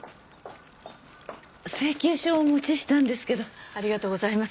請求書をお持ちしたんですけど。ありがとうございます。